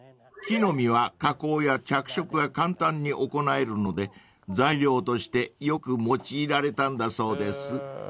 ［木の実は加工や着色が簡単に行えるので材料としてよく用いられたんだそうです］